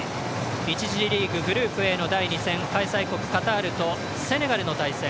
１次リーググループＡの第２戦、開催国カタールとセネガルの対戦。